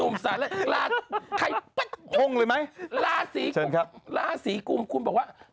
ไม่ไหวคาดปวดหัว